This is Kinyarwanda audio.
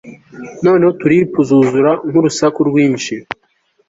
noneho tulipu zuzura nk'urusaku rwinshi